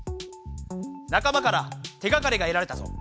仲間から手がかりがえられたぞ。